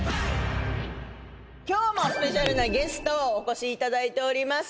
今日もスペシャルなゲストお越しいただいております。